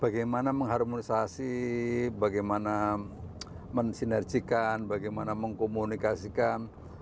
bagaimana mengharmonisasi bagaimana mensinerjikan bagaimana mengkomunikasikan